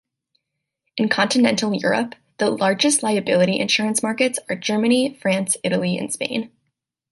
In continental Europe, the largest liability insurance markets are Germany, France, Italy and Spain.